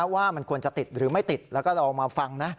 ว่ามันควรจะติดหรือไม่ติดแล้วก็เรามาฟังนะ